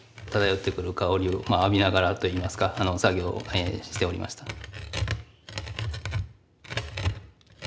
漂ってくる香りを浴びながらといいますか作業をしておりました。